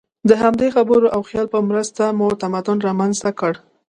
د همدې خبرو او خیال په مرسته مو تمدن رامنځ ته کړ.